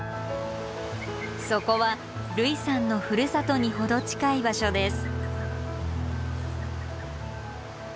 そこは類さんのふるさとに程近い場所です。